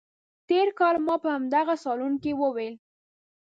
تېر کال ما په همدغه صالون کې وویل.